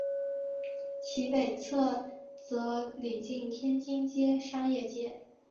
其北侧则邻近天津街商业街。